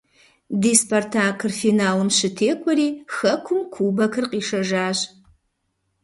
Ди «Спартак»-ыр финалым щытекӏуэри хэкум кубокыр къишэжащ.